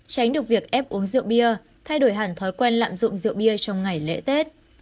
tránh được việc ép uống rượu bia thay đổi hẳn thói quen lạm dụng rượu bia trong ngày lễ tết